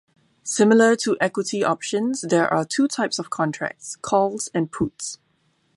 Similar to equity options, there are two types of contracts: calls and puts.